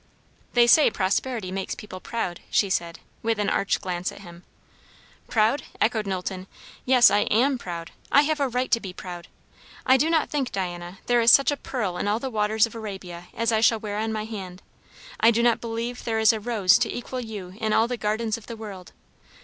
"They say prosperity makes people proud," she said, with an arch glance at him. "'Proud?" echoed Knowlton. "Yes, I am proud. I have a right to be proud. I do not think, Diana, there is such a pearl in all the waters of Arabia as I shall wear on my hand. I do not believe there is a rose to equal you in all the gardens of the world.